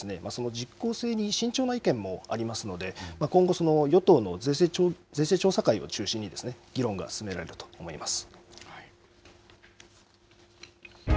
実効性に慎重な意見もありますので今後も両党の税制調査会を中心にですね議論が進められると思います。